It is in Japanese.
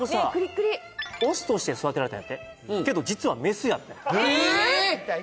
リオスとして育てられたんやってけど実はメスやったんやええっ！？